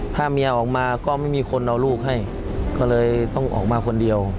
ถ้าเมียออกมาก็ไม่มีคนเอาลูกให้ก็เลยต้องออกมาคนเดียว